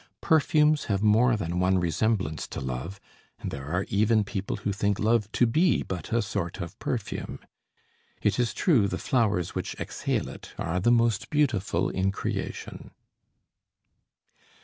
Perfumes have more than one resemblance to love, and there are even people who think love to be but a sort of perfume; it is true the flowers which exhale it are the most beautiful in creation.